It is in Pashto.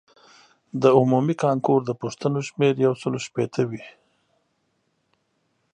د عمومي کانکور د پوښتنو شمېر یو سلو شپیته وي.